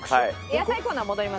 野菜コーナー戻ります？